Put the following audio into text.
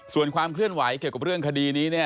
ส่วนความเคลื่อนไหวเกี่ยวกับเรื่องคดีนี้เนี่ย